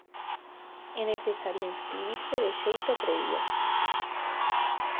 É necesario inscribirse de xeito previo.